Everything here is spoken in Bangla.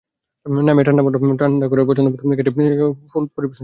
নামিয়ে ঠান্ডা করে পছন্দমতো কেটে ক্রিম ভরে ফলমূল দিয়ে পরিবেশন করুন।